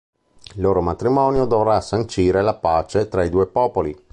Il loro matrimonio dovrà sancire la pace tra i due popoli.